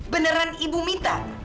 beneran ibu mita